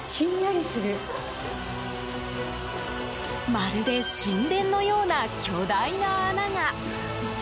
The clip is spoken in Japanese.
まるで、神殿のような巨大な穴が。